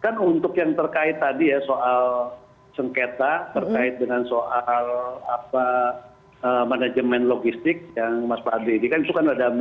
kan untuk yang terkait tadi ya soal sengketa terkait dengan soal manajemen logistik yang mas fadli dikaitkan